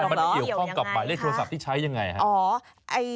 มันเกี่ยวข้องกับบ่ายเลขโทรศัพท์ที่ใช้อย่างไร